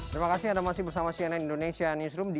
terima kasih anda masih bersama cnn indonesia newsroom